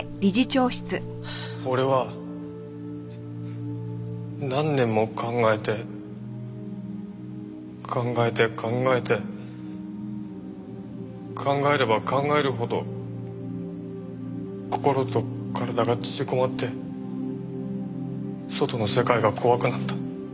俺は何年も考えて考えて考えて考えれば考えるほど心と体が縮こまって外の世界が怖くなった。